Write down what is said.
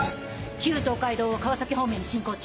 旧東海道を川崎方面に進行中。